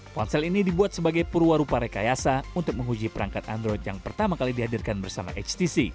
ponsel ini dibuat sebagai purwarupa rekayasa untuk menguji perangkat android yang pertama kali dihadirkan bersama htc